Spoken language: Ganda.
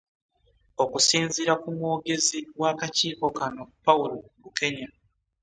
Okusinziira ku mwogezi w'akakiiko kano, Paul Bukenya